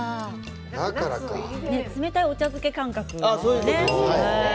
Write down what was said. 冷たいお茶漬けのような感覚ですよね。